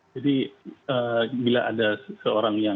jadi kalau ada seorang yang